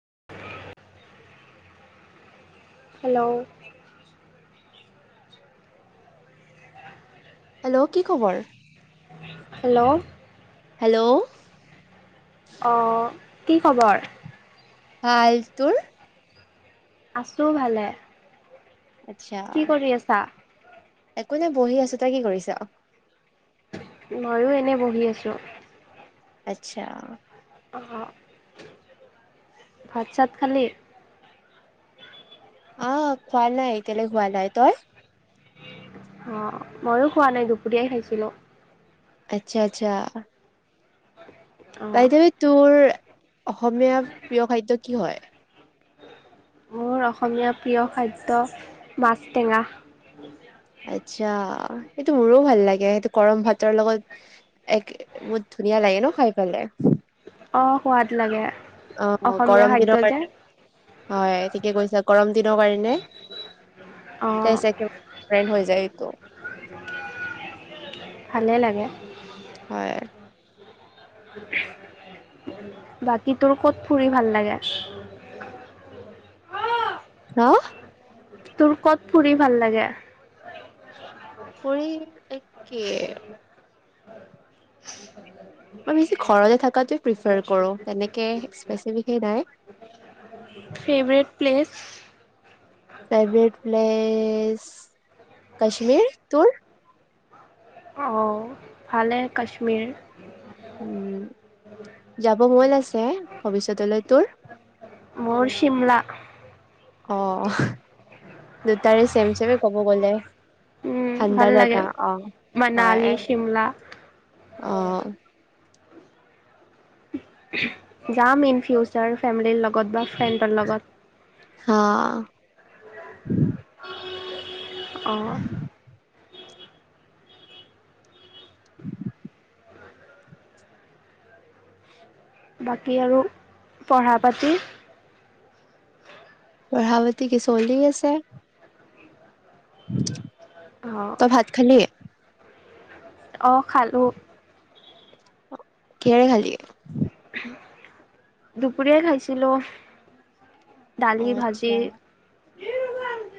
[unintelligible] Hello hello কি খবৰ hello hello অ কি খবৰ ফাল তুৰ আছোঁ ভালে আচ্ছা। কি কৰি আছা একো নে বহি আছো তই কি কৰিছা অ' ময়ো এনেই বহি আছোঁ আচ্ছা অ' ভাত চাত খালি? অ খোৱাাল নাই এতিয়াল খোৱা নাই তই অ মইো খোৱা নাই দুপৰীয়াই খাইছিলো আচ্ছা আচ্ছা হয় বাইদেউ তোৰ অসমীয়া প্ৰিয় খাদ্য কি হয় তেঁওৰ অসমীয়া প্ৰিয় খাদ্য মাছটেঙা আচ্ছা, সেইটো মোৰো ভাল লাগে সেইটো গৰম ভাতৰ লগত এক বহুত ধুনীয়া লাগে ন, খাই পেলাই। অ' সোৱাদ লাগে। অ' অসমীয়া গৰম খাদ্য দিনৰ যে কাৰণে হয়, ঠিকে কৈছা। গৰম দিনৰ কাৰণে [inaudible] অঁ [inaudible] ত [inaudible] ভাল লাগিছে [inaudible] হয়। বাকি তোৰ, ক'ত ফুৰি ভাল লাগে? হা [inaudible] তোমাৰ ক'ত ফুৰি ভাল লাগে কৰি একে [inaudible] মই বেছি ঘৰতে থকাটো প্ৰিফাৰ কৰোঁ তেনেকে [unintelligible] favourite place. Favourite place Kashmir, তোৰ? থিক আছে, কাশ্মীৰ। উম যাব মন আছে ভৱিষ্্যতলৈ তোৰ [inaudible] মোৰ, চিমলা। অ দুটাৰে চেম চেমে ক'ব গলে উ ঠাণ্ডা ভাল লাগে জাগা অ মনালী হয় শিমলা [unintelligible] অ যাম, ইন ফিউচাৰ ফেমিলিৰ লগত। লগত বা ফ্ৰেণ্ডৰ লগত। হা অ'। উম বাকী আৰু পঢ়া পাতি পঢ়াৱতি কি চহলছেে [inaudible] অ', তব ভাত খালি [inaudible] অ খালো [inaudible] কিহেৰে খালি? দুপৰীয় খাইছিলো [inaudible] অ দালি, ভাজি। আচ্ছা এই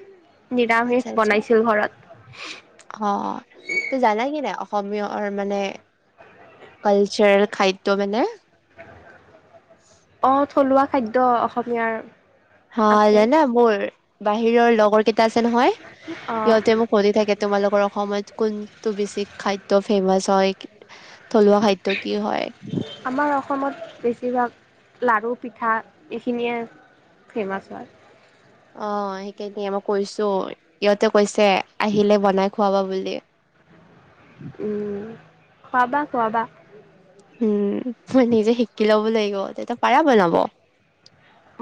[inaudible] আচ্ছা নিৰামিষ আচ্ছা বনাইছিল ঘৰত অ ত জান কি নে অসমীয়ৰ মানে কালচাৰ খাদ্য মা [inaudible] [unintelligible] অ থলুৱা খাদ্য অসমীয়াৰ হা আছে জানে মোৰ বাহিৰৰ লগৰ কেইটা আছে নহয় অ', সিহঁতে মোক সুধি থাকে তোমালোকৰ অসমত কোন তো, বেছি খাদ্য ফেমাছ হয়। থলুৱা খাদ্য কি হয় আমাৰ অসমত বেছিভাগ লাৰু, পিঠা এইখিনিয়ে ফেমাছ হয়। অ সেইকাৰণে মই কৈছো ইহঁতে কৈছে আহিলে বনাই খুৱাবা বুলি। উম, খোৱাবা খোৱাবা উম, মই নিজে শিকি ল'ব লাগিব, তহঁতে পাৰা বনাব?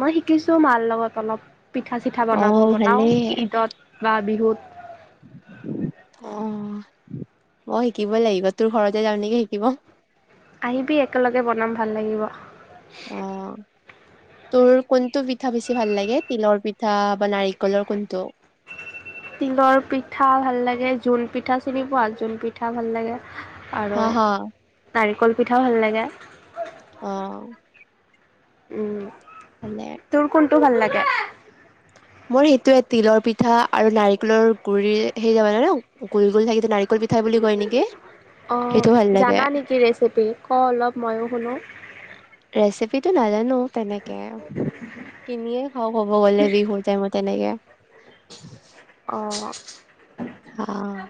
মই শিকিছো মাৰ লগত অলপ পিঠা চিঠা অ বনাব বনাও ভালেই ঈদত বা বিহুত অ মই শিকিব লাগিব তোৰ ঘৰতে যাও নেকি শিকিব আহিবি একেলগে বনাম ভাল লাগিব অ'। তোৰ কোনটো পিঠা বেছি ভাল লাগে? তিলৰ পিঠা, বা নাৰিকলৰ কোনটো? তিলৰ পিঠা ভাল লাগে, জোন পিঠা চিনি পোৱা? জোন পিঠা ভাল লাগে। হা আৰু হা তাৰিখ কল পিঠাও ভাল লাগে অ। উম ভালে তোৰ কোনটো ভাল লাগে? মোৰ সেইটোয়ে তিলৰ পিঠা আৰু নাৰিকলৰ গুৰিৰে সেই যে বনায় ন গোল গোল থাকে যে সেইটো নাৰিকল পিঠাই বুলি কয় নেকি অ সেইটো ভাল লাগে জানা নেকি ৰেচিপি কওঁ অলপ ময়ো শুনো ৰেচিপিটো নাজানো তেনেকে কিনিয়ে খাওঁ। কব গলে বিহুৰ টাইমত তেনেকে অ। অ '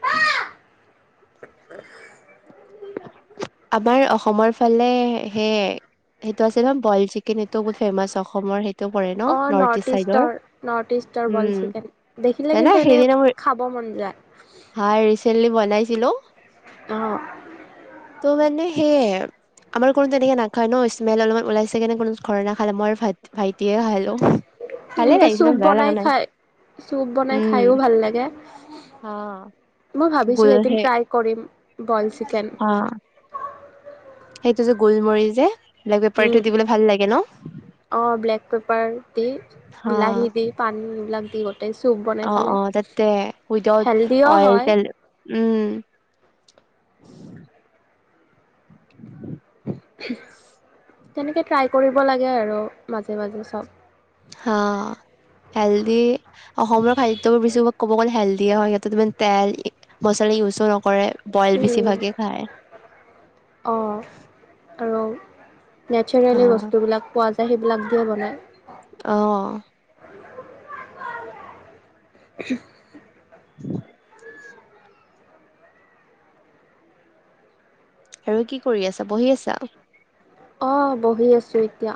আমাৰ অসমৰ ফালে হে, সেইটো আছে নহ বয়েল চিকেন এইটো মোৰ ফেমাছ অসমৰ সেইটো। পৰে ন অ' ইষ্ট নৰ্থ চাইডৰ ইষ্টৰ নৰ্থ ইষ্টৰ বইল উম চিকেন দেখিলে জানা সেইদিনা খাব মন যায়। তেল দি বনাইছিলো। অ' ত' মানে সেয়ে আমাৰ কোনো তেনেকে নাখায় ন' স্মেল অলপমান ওলাইছে কাৰনে কোনো ঘৰত নাখালে মই ভাই ভাইটিয়ে খালোঁ। এনেকে চুপ বনাই খায়, চুপ বনাই খাইও উম। ভাল লাগে অ'। মই গোল ভাবিছিলোঁ এদিন সেই ট্ৰাই কৰিম। Boil chicken. অ' সেইটো যে গোলমৰি যে ব্লেক পেপাৰটো দি উম পেলাই ভাল লাগে ন? অ' ব্লেক পেপাৰ দি বিলাহী দি পানী এইবিলাক [unintelligible] বনাই খালে অ-অ তাতে, উইদাউট হেল্ডিও অইল হয় তেল উম। তেনেকে ট্ৰাই কৰিব লাগে আৰু মাজে মাজে চব। হা, হেল্ডি। অসমৰ খাদ্যবোৰ বেছি ভাগ ক'ব গ'লে হেল্ডিয়ে হয়, সিহতেত ইমান তেল মছলা ইউজো নকৰে। বইল বেছিভাগে খায়। অ', আৰু হা নেচাৰেলি বস্তুবিলাক পোৱা যায়। তে সেইবিলাক দিয়ে বনায়। অ [unintelligible] [unintelligible] [unintelligible] আৰু কি কৰি আছা বহি আছা। অ' বহি আছোঁ এতিয়া।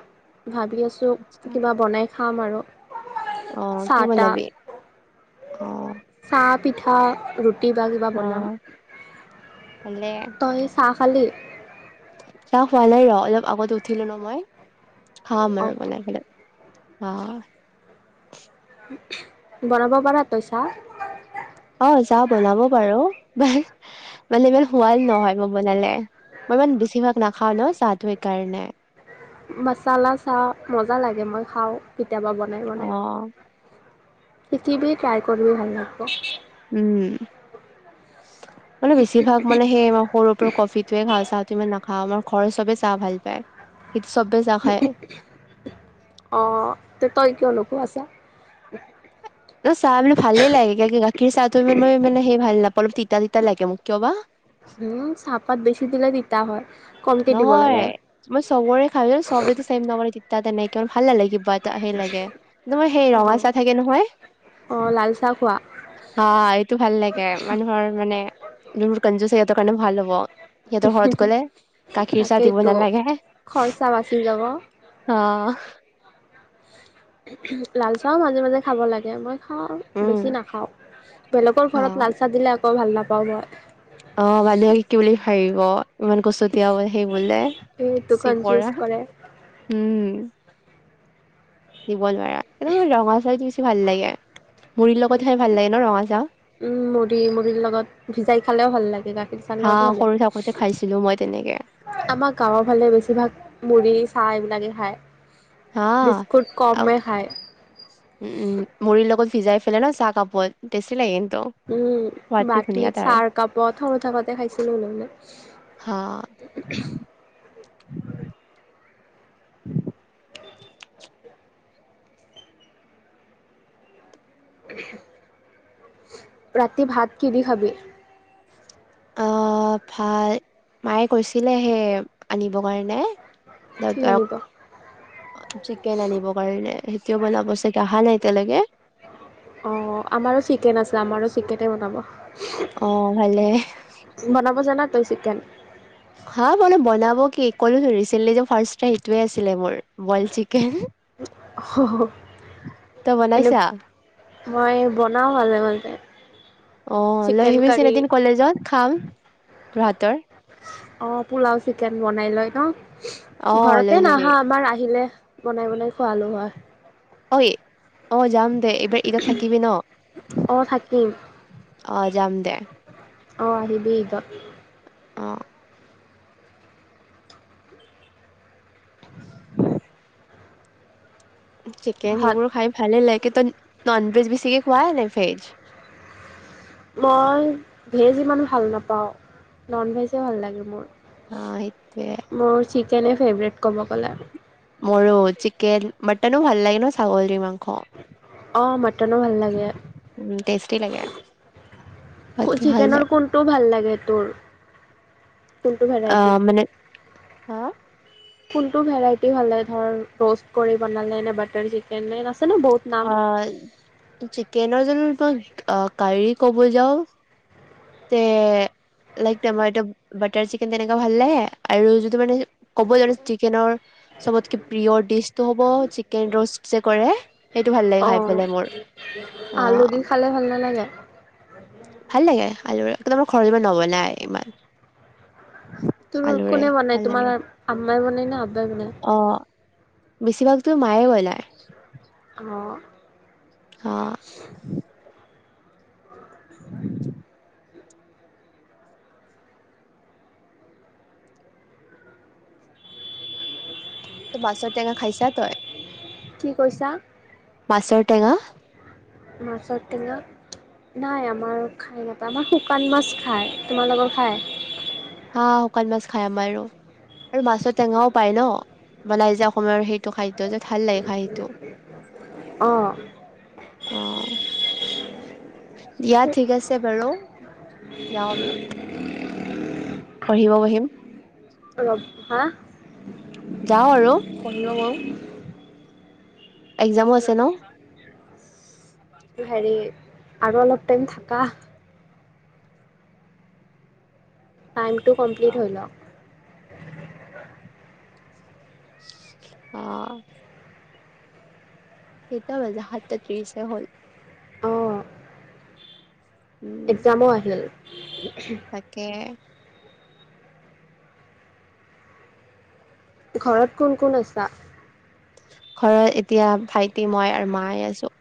ভাবি আছো কিবা বনাই! খাম আৰু। অ কি চাহ তাহ বনাবি অ চাহ পিঠা আৰু কিবা কিবা বনাম। অ' ভালে তই চাহ খালী? চাহ হোৱা নাই ৰ' অলপ আগতে উঠিলো ন মই হা মোৰ অঁ মান খালে আহ বনাব পৰা তই চাহ? অ চাহ বনাব পাৰো মানে ইমান সোৱাদ নহয় মই বনালে। মই ইমান বেছিভাগ নাখাওঁ ন চাহটো এই কাৰণে মাচালা চাহ মজা লাগে, মই খাওঁ। কেতিয়াবা বনায়, অ বনায়। শিকিবি ট্ৰাই কৰিবি ভাল লাগিব। উম মানে বেছিভাগ মানে সেই সৰুৰ পৰা কফিটোয়ে ভাল চাহটো ইমান ন [inaudible] আমাৰ ঘৰৰ চবেই চাহ ভাল পায়। [inaudible] অঁ তে তই কিয় লোকো আছা। ত চাহ বোলো ফালে লাগে [inaudible] কি চাহটো ইমান মান মানে ভাল নাপায়। অপল তিতা তিতা লাগে মোৰ কিয় বা উম চাহপাত বেছি দিলে দি, তিতা হয়। কমকৈ দিব নহয়, লাগে মই চবৰে খালো। চবেতো চেম নবনায় তাত এনেকে, আৰু ভাল নালাগে কিবা সেই লাগে। মোৰ সেই অঁ ৰঙা চাহ থাকে নহয়, অঁ লাল চাহ খোৱা হাঁ, এইটো ভাল লাগে। মানুহৰ, মানে, যোনবোৰ কঞ্জুচ হেল্থৰ কাৰণেও ভাল হ'ব। সিহঁতৰ ঘৰত গলে গাখীৰ-চাহ দিব তাকেইতো নালাগে, খৰচা বাচি যাব অ'। লাল চাহও মাজে-মাজে খাব লাগে, মই খাওঁ। উম বেছি নাখাওঁ। বেলেগৰ অ ঘৰত লাল চাহ দিলে, আকৌ ভাল নাপাওঁ। পাৰা। অ', ভালেই হ'ল। কি বুলি খাই অ'। ইমান কচতিয় বল সেই বোলে এইটো কনফিউজ চিপৰা কৰে হম নোৱাৰা একদম ৰঙা চি দি ইউজ ভাল লাগে মুৰিৰ উ লগত খাই ভাল লাগে ন ৰঙা চাহ উম মুড়ি মুড়িৰ লগত ভিজাই খালেও ভাল লাগে গাখ হা সৰু থাকোঁতে খাইছিলো মই তেনেকে আমাৰ গাঁৱৰ ফালে বেছিভাগ মুড়ি চাহ এইবিলাকে খায় হা বিস্কুট উ কমে খায়। উ মুৰিৰ লগত ভিজাই ছিলে ন চাহ কাপ বয় টেষ্টি লাগিল উম বাতিত চাহ কাপত সৰু থাকোতে খাইছিলো ম হা মানে ৰাতি ভাত কি দি খাবি অ ভাল মায়ে কৈছিলে সে আনিব কাৰণে কি আনিব? চিকেন আনিবৰ কাৰণে সেইটোও বনাব চাগে অহা নাই তেলগে ঠিকেতে বনাব অ ভালে টো চিকেন খাম অলপ বনাব কি কৰিও [unintelligible] নিজৰ ফাৰ্ষ্ট টাইম এইটোৱে আছিল মোৰ বইল চিকেন তই এনে বনাইছা মই বন না ভালে ভালায় অ লৈ আহিবি চিন এদিন কলেজত খাম [unintelligible] অ পোলাও চিকেন বনাই লৈ অ ন লৈ ঘৰতে যাবি নাহা আমাৰ আহিলে বনাই বনাই খোৱালো হয় অ অ যাম দে এইবাৰ ঈদত থাকিবি ন অ থাকিম অ যাম দে অঁ আহিবি এইগ অ [inaudible] চিকেন ভাত সেইবোৰো খাই ভালে লাগে কি ননবেজ বিছিকে খোৱা নে ভেজ মই ভেজ ইমান ভাল নাপাওঁ নন ভেজেই ভাল লাগে মোৰ অ সেইটোৱে কেনে ফেভৰেট ক'ব গ'লে মৰু চিকেন মটনো ভাললাগে ন ছাগলি মা‌ং অ', মটনো ভাল লাগে, উম টেষ্টি লাগে সোৱাদটো ভাল চিকেনৰ লাগে। কোনটোও ভাল লাগে তোৰ? কোনটো অ ভেৰাইটি? মানে হা কোনটো ভেৰাইটি ভাল লাগে ধৰ ট'ষ্ট কৰি বনালে নে বাটাৰ চিকেন নে? ন বহুত নাম। অ', চিকেনৰ যিটো অ', কাৰী ক'ব যাওঁ তে লাইক তোমাৰ এইটো বাটাৰ চিকেন যেনেকা ভাল লাগে আৰু যিটো মানে ক'ব জানো চিকেনৰ চবতকে প্ৰিয় দিচটো হ'ব চিকেন ৰ'ষ্ট যে কৰে সেইটো ভাল লাগে খাই অঁ পেলাই মোৰ আলু দি অ'। খালে ভাল নালাগে? ভাল লাগে আলুৰে, কিন্তু আমাৰ ঘৰত ইমান নবনাই ইমান। তোৰ আলুৰে কোনে বনাই ভাল লাগে তোমাৰ আম মাই বনাই ন'। [unintelligible] বেছিভাগ টো মায়ে বনাই। অ'। [inaudible] অ উম। টো মাছৰ টেঙা খাইছে তই? কি কৈছা মাছৰ টেঙা? মাছৰ টেঙা! নাই আমাৰ খাই নাপায় আমাৰ শুকান মাছ খাই। তোমালোকৰ খাই? হা শুকান মাছ খাই আমাৰো আৰু মাছৰ টেঙাও পায় ন বনাই যে অসমীয়াৰ সেইটো খাদ্য যে। ভাল লাগে খাই সেইটো অ'। অ' দিয়া ঠিক আছে বাৰু যাওঁ আমি। পঢ়িব বহিম। অ' হা। যাওঁ আৰু পঢ়িব পাৰো একজামো আছে ন। হেৰি আৰু অলপ টাইম থাকা। টাইমটো কমপ্লিট হৈ লক। [unintelligible] আঃ। কেইটা বাজিল, সাতটা ত্ৰিশ হে হ'ল। উম একজামো আহিল। তাকে। ঘৰত কোন কোন আছা? ঘৰত এতিয়া ভাইটি, মই আৰু মায়ে আছো।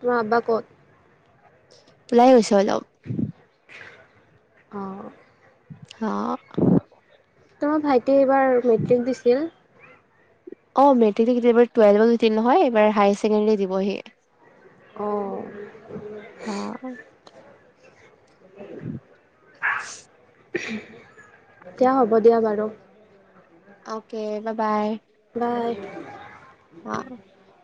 তোমাৰ আব্বা ক'ত? ওলাই গৈছে অলপ। অ'। হা [unintelligible] তোমাৰ ভাইতি ভাইটিয়ে এইবাৰ মেট্ৰিক দিছিল। অ' মেট্ৰিক দি কেতিয়াবা [inaudible] নহয় এইবাৰ হায়াৰ ছেকেণ্ডাৰী দিব সি অঁ অ' [unintelligible] [inaudible] হ'ব দিয়া বাৰু। অকে বা বাই। বাই অ [unintelligible]